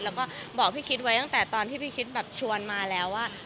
แล้วก็บอกพี่คิดไว้ตั้งแต่ตอนที่พี่คิดแบบชวนมาแล้วว่า